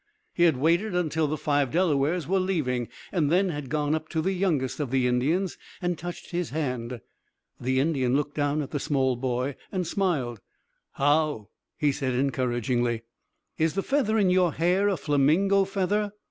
He had waited until the five Delawares were leaving, and then had gone up to the youngest of the Indians, and touched his hand. The Indian looked down at the small boy, and smiled. "How?" he said encouragingly. "Is the feather in your hair a flamingo feather?"